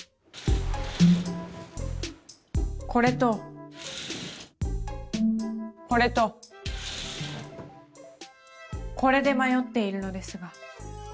これとこれとこれで迷っているのですが。